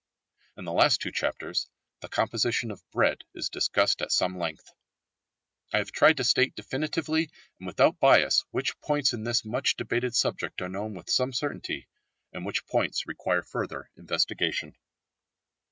In the last two chapters the composition of bread is discussed at some length. I have tried to state definitely and without bias which points in this much debated subject are known with some certainty, and which points require further investigation.